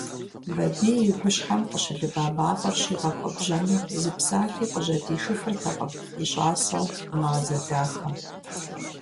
Бабий и гущхьэм къыщылыба мафӀэр щӀигъэхуэбжьэну зы псалъи къыжьэдишыфыртэкъым и щӀасэу Мазэ дахэм.